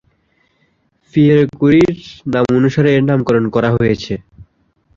Pierre ক্যুরির নামানুসারে এর নামকরণ করা হয়েছে।